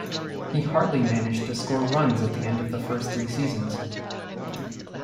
He hardly managed to score runs at the end of the first three seasons.